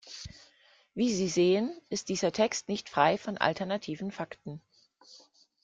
Wie Sie sehen, ist dieser Text nicht frei von alternativen Fakten.